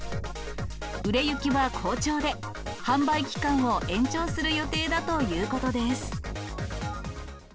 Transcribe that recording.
売れ行きは好調で、販売期間を延長する予定だということです。